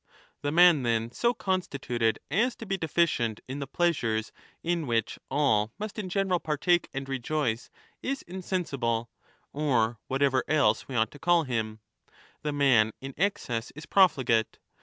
^£ The man, then, so constituted as to be deficient in the pleasures in which all must in general partake and rejoice is insensible (or whatever else we ought to call him) ; the man in excess is profligate.